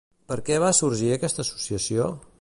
Per què va sorgir aquesta associació?